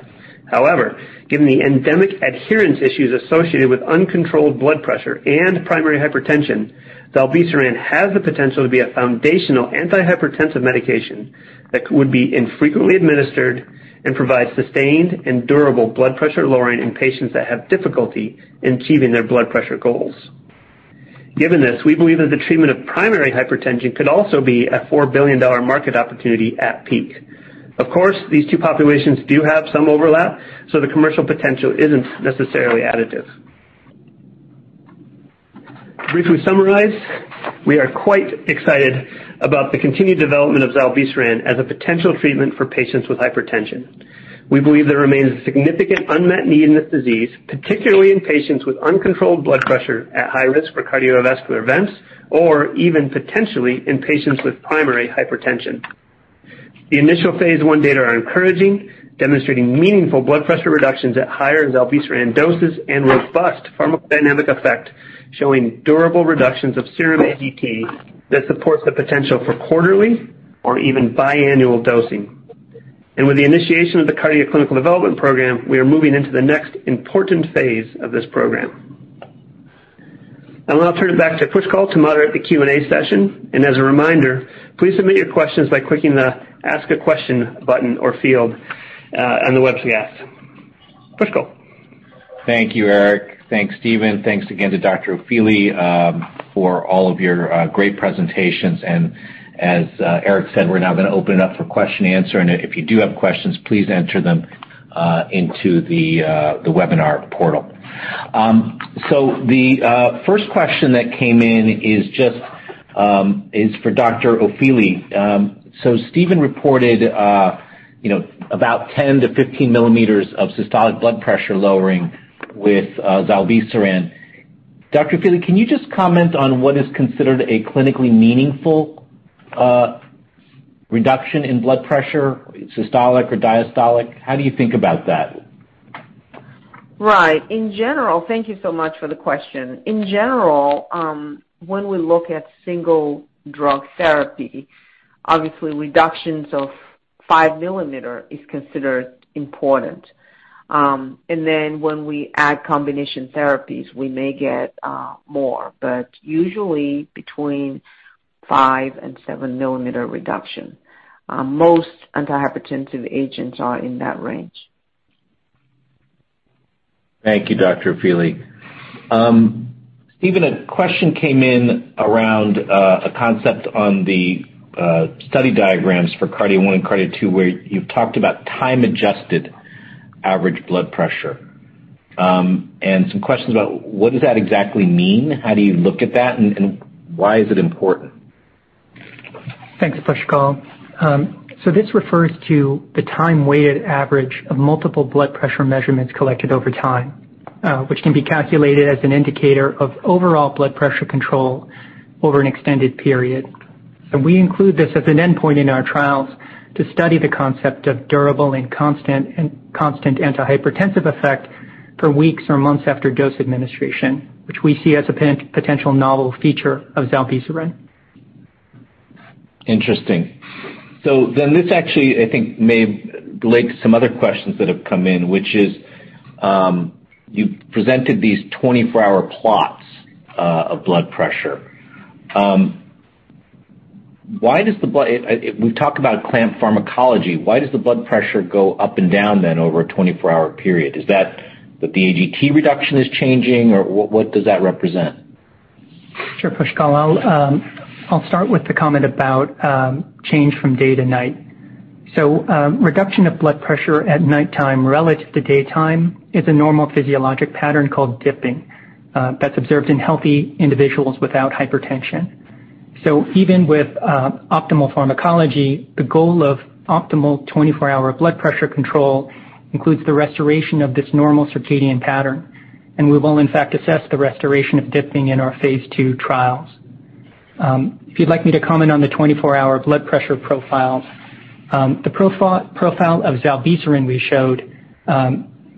However, given the endemic adherence issues associated with uncontrolled blood pressure and primary hypertension, zilebesiran has the potential to be a foundational antihypertensive medication that would be infrequently administered and provide sustained and durable blood pressure lowering in patients that have difficulty in achieving their blood pressure goals. Given this, we believe that the treatment of primary hypertension could also be a $4 billion market opportunity at peak. Of course, these two populations do have some overlap, so the commercial potential isn't necessarily additive. To briefly summarize, we are quite excited about the continued development of zilebesiran as a potential treatment for patients with hypertension. We believe there remains a significant unmet need in this disease, particularly in patients with uncontrolled blood pressure at high risk for cardiovascular events or even potentially in patients with primary hypertension. The initial phase I data are encouraging, demonstrating meaningful blood pressure reductions at higher zilebesiran doses and robust pharmacodynamic effect, showing durable reductions of serum AGT that support the potential for quarterly or even biannual dosing, and with the initiation of the KARDIA clinical development program, we are moving into the next important phase of this program, and I'll turn it back to Pushkal to moderate the Q&A session, and as a reminder, please submit your questions by clicking the Ask a Question button or field on the webcast. Pushkal. Thank you, Eric. Thanks, Stephen. Thanks again to Dr. Ofili for all of your great presentations. As Eric said, we're now going to open it up for question and answer. If you do have questions, please enter them into the webinar portal. The first question that came in is just for Dr. Ofili. Stephen reported about 10 to 15 mm Hg of systolic blood pressure lowering with zilebesiran. Dr. Ofili, can you just comment on what is considered a clinically meaningful reduction in blood pressure, systolic or diastolic? How do you think about that? Right. In general, thank you so much for the question. In general, when we look at single drug therapy, obviously, reductions of five mm Hg are considered important. And then when we add combination therapies, we may get more, but usually between five and seven mm Hg reduction. Most antihypertensive agents are in that range. Thank you, Dr. Ofili. Stephen, a question came in around a concept on the study diagrams for KARDIA-1 and KARDIA-2, where you've talked about time-adjusted average blood pressure and some questions about what does that exactly mean? How do you look at that, and why is it important? Thanks, Pushkal. So this refers to the time-weighted average of multiple blood pressure measurements collected over time, which can be calculated as an indicator of overall blood pressure control over an extended period. And we include this as an endpoint in our trials to study the concept of durable and constant antihypertensive effect for weeks or months after dose administration, which we see as a potential novel feature of zilebesiran. Interesting. So then this actually, I think, may relate to some other questions that have come in, which is you presented these 24-hour plots of blood pressure. Why does the blood—we've talked about clamp pharmacology. Why does the blood pressure go up and down then over a 24-hour period? Is that the AGT reduction is changing, or what does that represent? Sure, Pushkal. I'll start with the comment about change from day to night. So reduction of blood pressure at nighttime relative to daytime is a normal physiologic pattern called dipping that's observed in healthy individuals without hypertension. So even with optimal pharmacology, the goal of optimal 24-hour blood pressure control includes the restoration of this normal circadian pattern, and we've all, in fact, assessed the restoration of dipping in our Phase 2 trials. If you'd like me to comment on the 24-hour blood pressure profile, the profile of zilebesiran we showed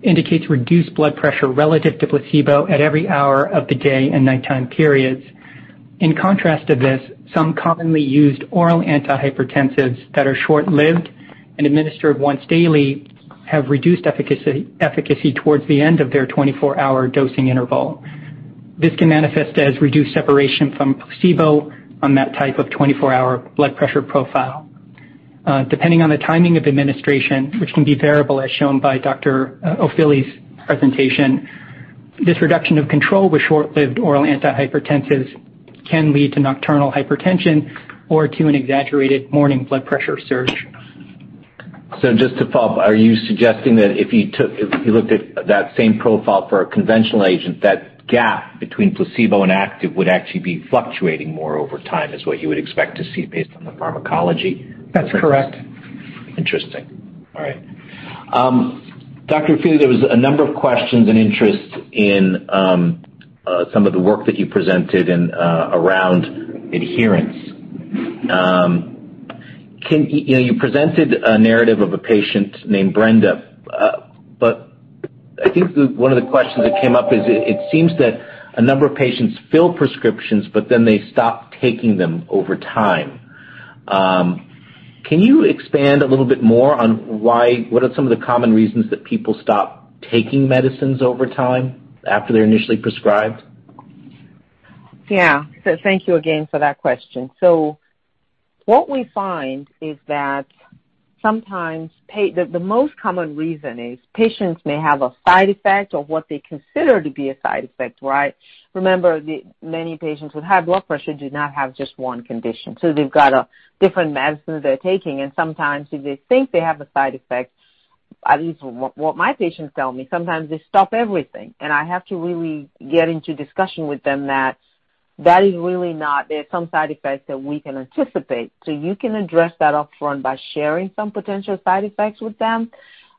indicates reduced blood pressure relative to placebo at every hour of the day and nighttime periods. In contrast to this, some commonly used oral antihypertensives that are short-lived and administered once daily have reduced efficacy towards the end of their 24-hour dosing interval. This can manifest as reduced separation from placebo on that type of 24-hour blood pressure profile. Depending on the timing of administration, which can be variable as shown by Dr. Ofili's presentation, this reduction of control with short-lived oral antihypertensives can lead to nocturnal hypertension or to an exaggerated morning blood pressure surge. So just to follow up, are you suggesting that if you looked at that same profile for a conventional agent, that gap between placebo and active would actually be fluctuating more over time is what you would expect to see based on the pharmacology? That's correct. Interesting. All right. Dr. Ofili, there was a number of questions and interests in some of the work that you presented around adherence. You presented a narrative of a patient named Brenda, but I think one of the questions that came up is it seems that a number of patients fill prescriptions, but then they stop taking them over time. Can you expand a little bit more on what are some of the common reasons that people stop taking medicines over time after they're initially prescribed? Yeah. So thank you again for that question. So what we find is that sometimes the most common reason is patients may have a side effect of what they consider to be a side effect, right? Remember, many patients with high blood pressure do not have just one condition. So they've got a different medicine they're taking. And sometimes they think they have a side effect. At least what my patients tell me, sometimes they stop everything. I have to really get into discussion with them that that is really not. There are some side effects that we can anticipate. So you can address that upfront by sharing some potential side effects with them.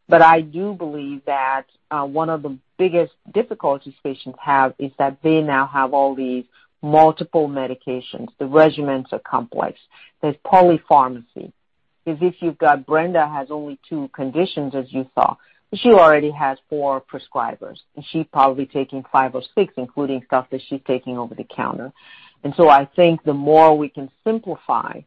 But I do believe that one of the biggest difficulties patients have is that they now have all these multiple medications. The regimens are complex. There's polypharmacy. Because if you've got Brenda who has only two conditions, as you saw, she already has four prescribers. And she's probably taking five or six, including stuff that she's taking over the counter. And so I think the more we can simplify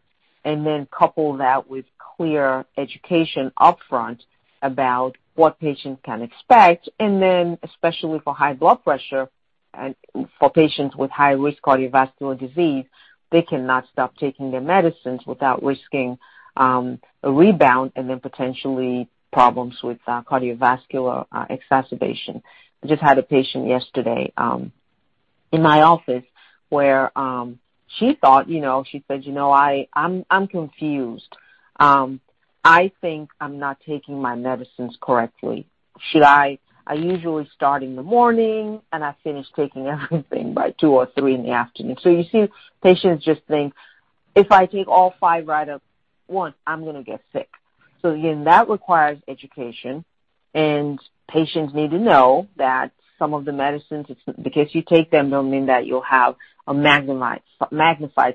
and then couple that with clear education upfront about what patients can expect. And then especially for high blood pressure and for patients with high-risk cardiovascular disease, they cannot stop taking their medicines without risking a rebound and then potentially problems with cardiovascular exacerbation. I just had a patient yesterday in my office where she thought, she said, "I'm confused. I think I'm not taking my medicines correctly. I usually start in the morning, and I finish taking everything by 2:00 P.M. or 3:00 P.M. in the afternoon." so you see patients just think, "If I take all five right at once, I'm going to get sick." so again, that requires education. and patients need to know that some of the medicines, because you take them, don't mean that you'll have a magnified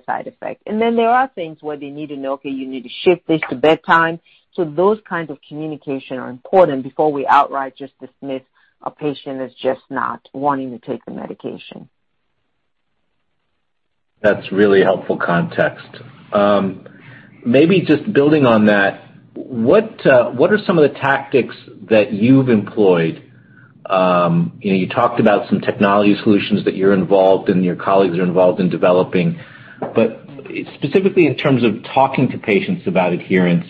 side effect. and then there are things where they need to know, "Okay, you need to shift this to bedtime." so those kinds of communication are important before we outright just dismiss a patient as just not wanting to take the medication. That's really helpful context. Maybe just building on that, what are some of the tactics that you've employed? You talked about some technology solutions that you're involved in, your colleagues are involved in developing. But specifically in terms of talking to patients about adherence,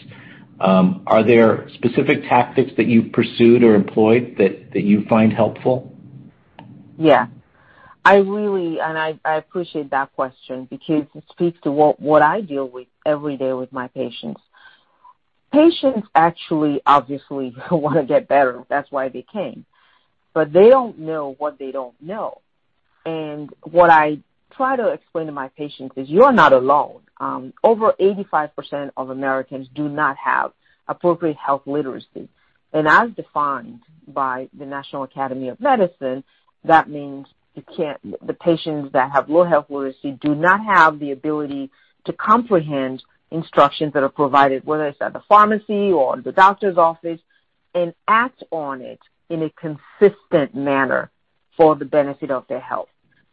are there specific tactics that you've pursued or employed that you find helpful? Yeah. And I appreciate that question because it speaks to what I deal with every day with my patients. Patients actually obviously want to get better. That's why they came. But they don't know what they don't know. And what I try to explain to my patients is you are not alone. Over 85% of Americans do not have appropriate health literacy. As defined by the National Academy of Medicine, that means the patients that have low health literacy do not have the ability to comprehend instructions that are provided, whether it's at the pharmacy or the doctor's office, and act on it in a consistent manner for the benefit of their health.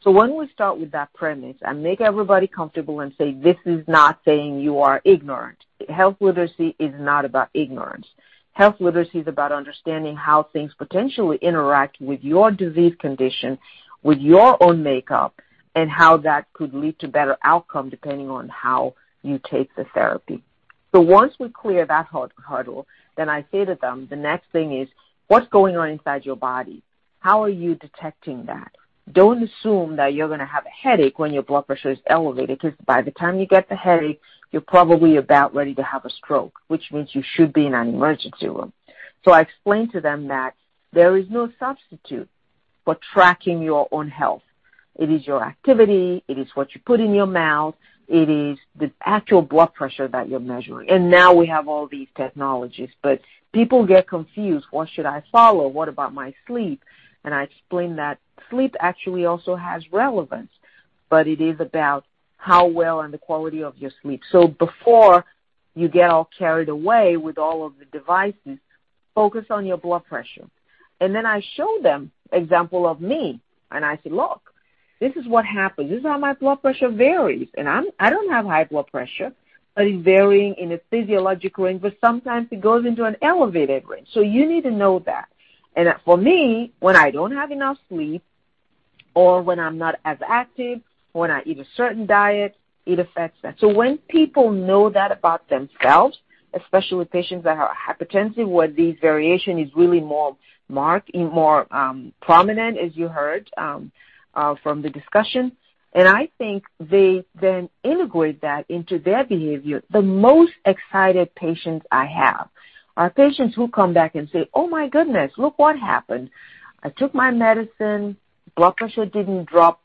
When we start with that premise, I make everybody comfortable and say, "This is not saying you are ignorant." Health literacy is not about ignorance. Health literacy is about understanding how things potentially interact with your disease condition, with your own makeup, and how that could lead to better outcome depending on how you take the therapy. Once we clear that hurdle, then I say to them, the next thing is, "What's going on inside your body? How are you detecting that? Don't assume that you're going to have a headache when your blood pressure is elevated because by the time you get the headache, you're probably about ready to have a stroke, which means you should be in an emergency room." So I explain to them that there is no substitute for tracking your own health. It is your activity. It is what you put in your mouth. It is the actual blood pressure that you're measuring. And now we have all these technologies. But people get confused. What should I follow? What about my sleep? And I explain that sleep actually also has relevance, but it is about how well and the quality of your sleep. So before you get all carried away with all of the devices, focus on your blood pressure. And then I show them an example of me. And I say, "Look, this is what happens. This is how my blood pressure varies, and I don't have high blood pressure, but it's varying in a physiological range, but sometimes it goes into an elevated range, so you need to know that, and for me, when I don't have enough sleep or when I'm not as active, when I eat a certain diet, it affects that," so when people know that about themselves, especially with patients that have hypertension where the variation is really more prominent, as you heard from the discussion, and I think they then integrate that into their behavior, the most excited patients I have are patients who come back and say, "Oh my goodness, look what happened. I took my medicine. Blood pressure didn't drop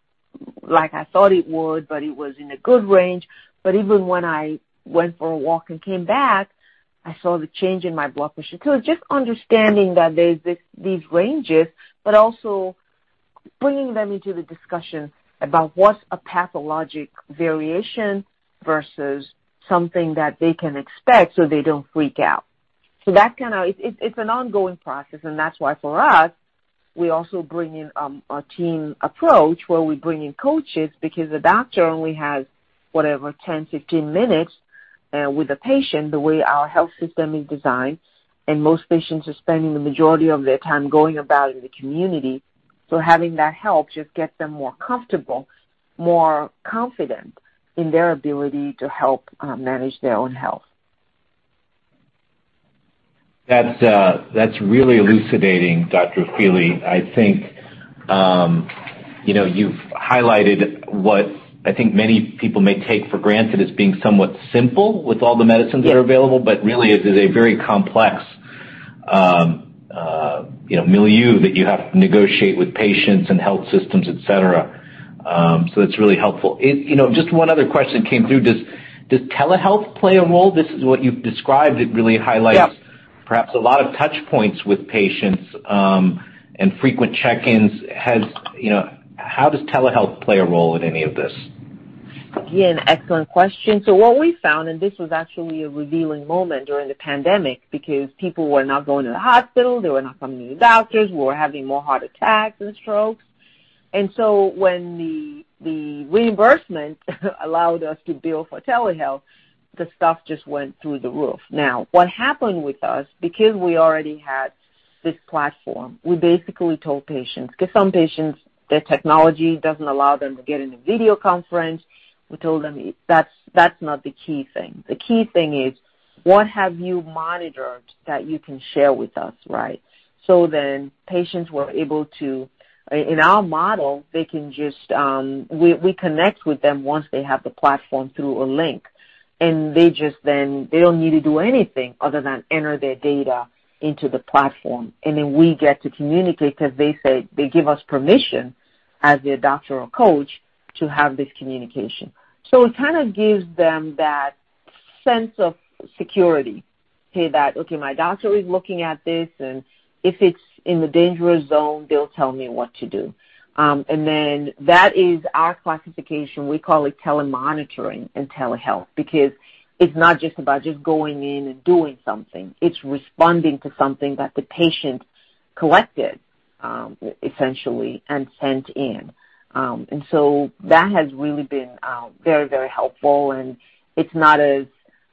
like I thought it would, but it was in a good range. But even when I went for a walk and came back, I saw the change in my blood pressure." So just understanding that there's these ranges, but also bringing them into the discussion about what's a pathologic variation versus something that they can expect so they don't freak out. So that kind. It's an ongoing process. That's why for us, we also bring in a team approach where we bring in coaches because the doctor only has whatever, 10, 15 minutes with a patient the way our health system is designed. And most patients are spending the majority of their time going about in the community. So having that help just gets them more comfortable, more confident in their ability to help manage their own health. That's really elucidating, Dr. Ofili. I think you've highlighted what I think many people may take for granted as being somewhat simple with all the medicines that are available, but really it is a very complex milieu that you have to negotiate with patients and health systems, etc. So that's really helpful. Just one other question came through. Does telehealth play a role? This is what you've described. It really highlights perhaps a lot of touchpoints with patients and frequent check-ins. How does telehealth play a role in any of this? Again, excellent question. So what we found, and this was actually a revealing moment during the pandemic because people were not going to the hospital. They were not coming to the doctors. We were having more heart attacks and strokes. And so when the reimbursement allowed us to bill for telehealth, the stuff just went through the roof. Now, what happened with us, because we already had this platform, we basically told patients, because some patients, their technology doesn't allow them to get into video conference, we told them, "That's not the key thing. The key thing is what have you monitored that you can share with us, right?" So then patients were able to, in our model, they can just, we connect with them once they have the platform through a link, and they just then, they don't need to do anything other than enter their data into the platform, and then we get to communicate because they say they give us permission as their doctor or coach to have this communication, so it kind of gives them that sense of security to say that, "Okay, my doctor is looking at this. And if it's in the danger zone, they'll tell me what to do," and then that is our classification. We call it telemonitoring in telehealth because it's not just about going in and doing something. It's responding to something that the patient collected, essentially, and sent in, and so that has really been very, very helpful.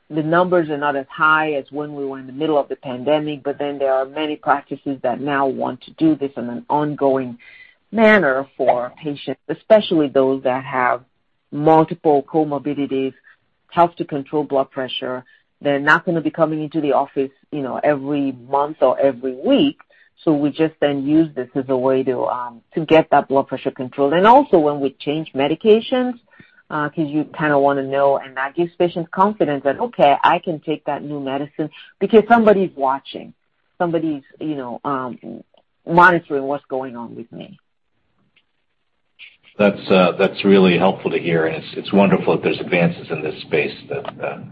The numbers are not as high as when we were in the middle of the pandemic, but then there are many practices that now want to do this in an ongoing manner for patients, especially those that have multiple comorbidities, help to control blood pressure. They're not going to be coming into the office every month or every week, so we just then use this as a way to get that blood pressure controlled, and also when we change medications because you kind of want to know, and that gives patients confidence that, "Okay, I can take that new medicine because somebody's watching. Somebody's monitoring what's going on with me." That's really helpful to hear. And it's wonderful that there's advances in this space that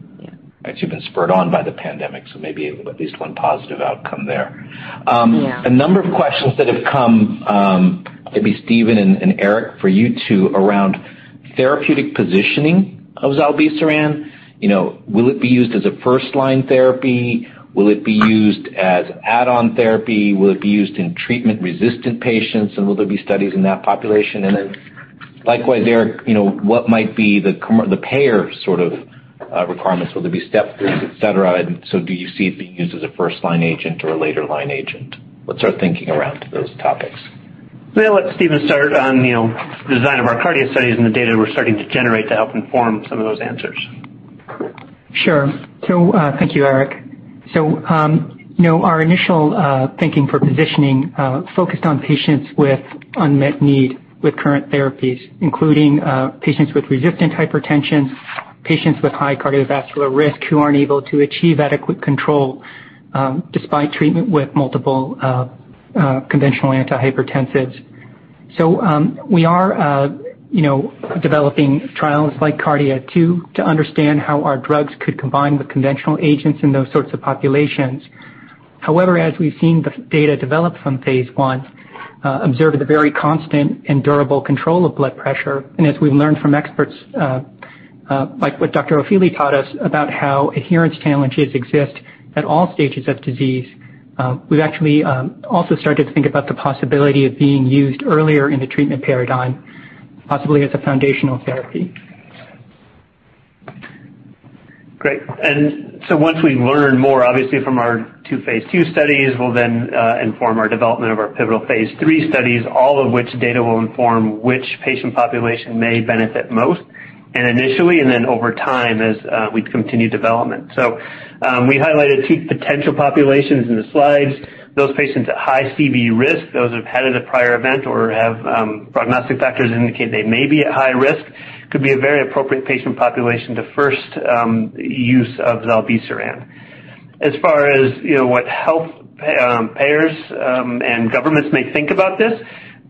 you've been spurred on by the pandemic. So maybe at least one positive outcome there. A number of questions that have come maybe Stephen and Eric for you two around therapeutic positioning of zilebesiran. Will it be used as a first-line therapy? Will it be used as add-on therapy? Will it be used in treatment-resistant patients? And will there be studies in that population? And then likewise, what might be the payer sort of requirements? Will there be step-throughs, etc.? And so do you see it being used as a first-line agent or a later-line agent? What's our thinking around those topics? So I'll let Stephen start on the design of our cardiac studies and the data we're starting to generate to help inform some of those answers. Sure. Thank you, Eric. So our initial thinking for positioning focused on patients with unmet need with current therapies, including patients with resistant hypertension, patients with high cardiovascular risk who aren't able to achieve adequate control despite treatment with multiple conventional antihypertensives. So we are developing trials like KARDIA to understand how our drugs could combine with conventional agents in those sorts of populations. However, as we've seen the data develop from phase 1, observe the very constant and durable control of blood pressure. And as we've learned from experts like what Dr. Ofili taught us about how adherence challenges exist at all stages of disease, we've actually also started to think about the possibility of being used earlier in the treatment paradigm, possibly as a foundational therapy. Great. And so once we learn more, obviously, from our two Phase 2 studies, we'll then inform our development of our pivotal Phase 3 studies, all of which data will inform which patient population may benefit most initially and then over time as we continue development. So we highlighted two potential populations in the slides. Those patients at high CV risk, those who have had a prior event or have prognostic factors that indicate they may be at high risk, could be a very appropriate patient population to first use of zilebesiran. As far as what health payers and governments may think about this,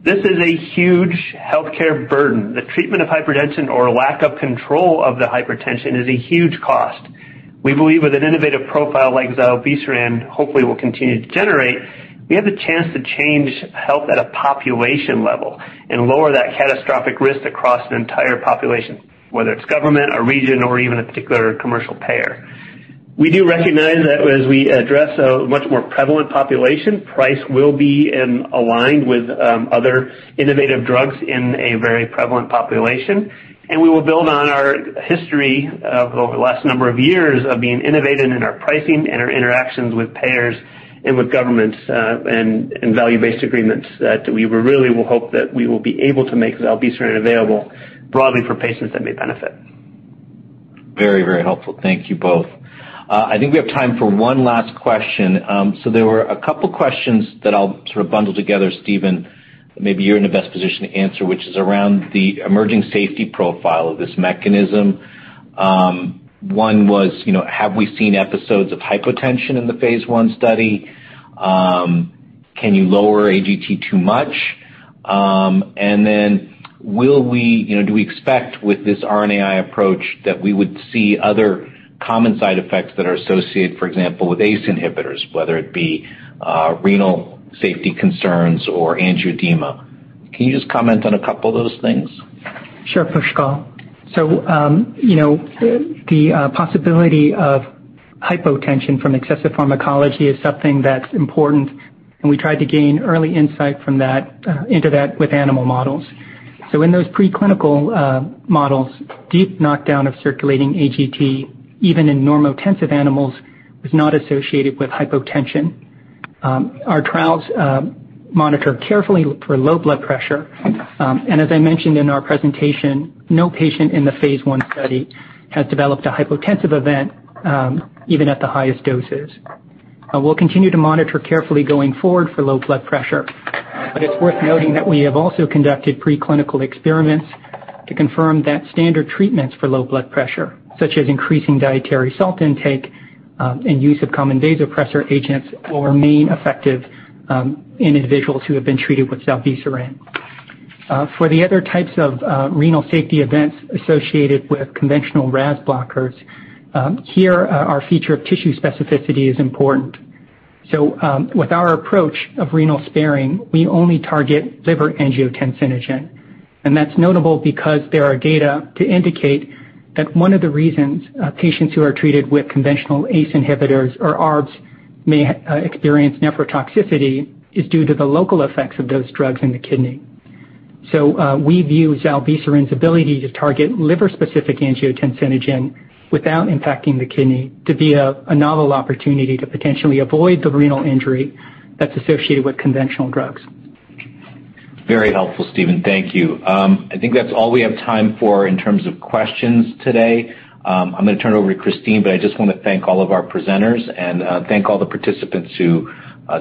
this is a huge healthcare burden. The treatment of hypertension or lack of control of the hypertension is a huge cost. We believe with an innovative profile like zilebesiran, hopefully we'll continue to generate. We have a chance to change health at a population level and lower that catastrophic risk across an entire population, whether it's government, a region, or even a particular commercial payer. We do recognize that as we address a much more prevalent population, price will be aligned with other innovative drugs in a very prevalent population. We will build on our history over the last number of years of being innovative in our pricing and our interactions with payers and with governments and value-based agreements that we really will hope that we will be able to make zilebesiran available broadly for patients that may benefit. Very, very helpful. Thank you both. I think we have time for one last question, so there were a couple of questions that I'll sort of bundle together, Stephen. Maybe you're in the best position to answer, which is around the emerging safety profile of this mechanism. One was, have we seen episodes of hypotension in the Phase 1 study? Can you lower AGT too much? And then do we expect with this RNAi approach that we would see other common side effects that are associated, for example, with ACE inhibitors, whether it be renal safety concerns or angioedema? Can you just comment on a couple of those things? Sure, Pushkal. So the possibility of hypotension from excessive pharmacology is something that's important. And we tried to gain early insight into that with animal models. So in those preclinical models, deep knockdown of circulating AGT, even in normotensive animals, was not associated with hypotension. Our trials monitor carefully for low blood pressure. And as I mentioned in our presentation, no patient in the Phase 1 study has developed a hypotensive event even at the highest doses. We'll continue to monitor carefully going forward for low blood pressure. But it's worth noting that we have also conducted preclinical experiments to confirm that standard treatments for low blood pressure, such as increasing dietary salt intake and use of common vasopressor agents, will remain effective in individuals who have been treated with zilebesiran. For the other types of renal safety events associated with conventional RAS blockers, here our feature of tissue specificity is important. So with our approach of renal sparing, we only target liver angiotensinogen. And that's notable because there are data to indicate that one of the reasons patients who are treated with conventional ACE inhibitors or ARBs may experience nephrotoxicity is due to the local effects of those drugs in the kidney. So we view zilebesiran's ability to target liver-specific angiotensinogen without impacting the kidney to be a novel opportunity to potentially avoid the renal injury that's associated with conventional drugs. Very helpful, Stephen. Thank you. I think that's all we have time for in terms of questions today. I'm going to turn it over to Christine, but I just want to thank all of our presenters and thank all the participants who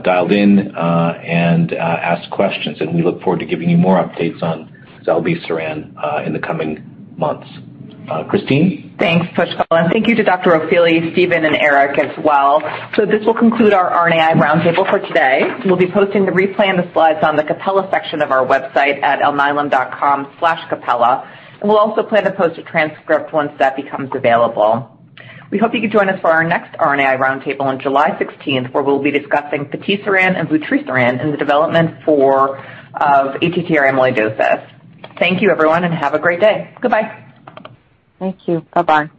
dialed in and asked questions. And we look forward to giving you more updates on zilebesiran in the coming months. Christine? Thanks, Pushkal. And thank you to Dr. Ofili, Stephen, and Eric as well. So this will conclude our RNAi roundtable for today. We'll be posting the replay and the slides on the Capella section of our website at alnylam.com/capella. And we'll also plan to post a transcript once that becomes available. We hope you can join us for our next RNAi roundtable on July 16th, where we'll be discussing patisiran and vutrisiran in the development of ATTR amyloidosis. Thank you, everyone, and have a great day. Goodbye. Thank you. Bye-bye.